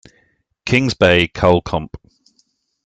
Kings Bay Kull Comp.